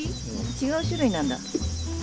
違う種類なんだ。